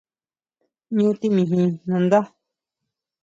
¿ʼÑu timijin nandá?